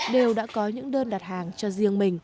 đều đã có những đơn đặt hàng